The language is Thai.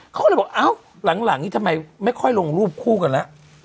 เขาก็เลยบอกเอ้าหลังนี้ทำไมไม่ค่อยลงรูปคู่กันแล้ว